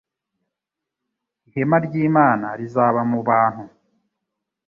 ihema ry'Imana rizaba mu bantu,.